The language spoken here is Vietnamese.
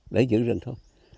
để giữ rừng thôi